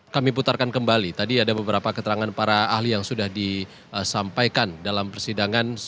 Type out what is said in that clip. kami putarkan kembali tadi ada beberapa keterangan para ahli yang sudah disampaikan dalam persidangan